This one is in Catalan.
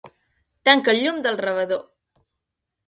Tanca el llum del rebedor.